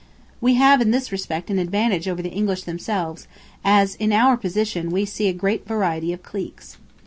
We have in this respect an advantage over the English themselves, as in our position we see a great variety of cliques.